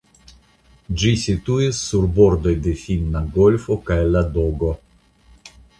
Ĝi situis sur bordoj de Finna golfo kaj Ladogo.